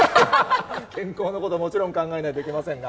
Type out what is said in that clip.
健康なこと、もちろん考えないといけませんが。